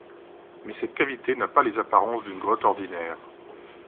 Mais cette cavité n'a pas les apparences d'une grotte ordinaire.